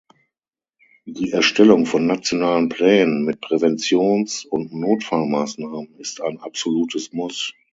Die Erstellung von nationalen Plänen mit Präventions- und Notfallmaßnahmen ist ein absolutes Muss.